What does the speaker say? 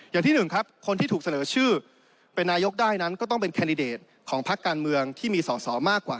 อย่างที่หนึ่งครับคนที่ถูกเสนอชื่อเป็นนายกได้นั้นก็ต้องเป็นแคนดิเดตของพักการเมืองที่มีสอสอมากกว่า